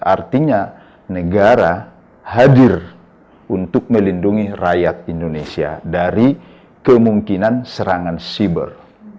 artinya negara hadir untuk melindungi rakyat indonesia dari kemungkinan serangan siber